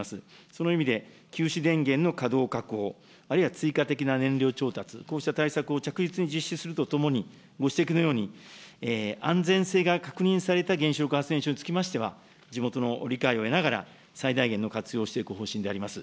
その意味で、休止電源の稼働確保、あるいは追加的な燃料調達、こうした対策を着実に実施するとともに、ご指摘のように、安全性が確認された原子力発電所につきましては、地元の理解を得ながら、最大限の活用をしていく方針であります。